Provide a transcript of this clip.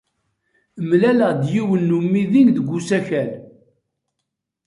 Mlaleɣ-d yiwen n umidi deg usakal.